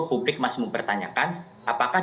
publik masih mempertanyakan apakah